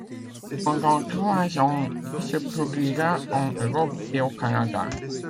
Pendant trois ans, il se produira en Europe et au Canada.